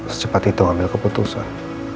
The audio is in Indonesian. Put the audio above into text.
secepat itu ngambil keputusan